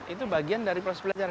itu bagian dari proses belajar